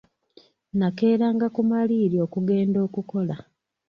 Nakeeranga ku maliiri okugenda okukola.